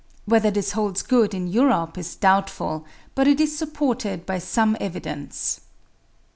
Whether this holds good in Europe is doubtful, but it is supported by some evidence.